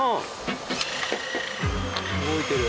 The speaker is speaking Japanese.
動いてる。